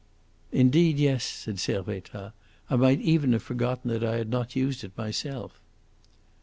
"Indeed, yes," said Servettaz. "I might even have forgotten that I had not used it myself."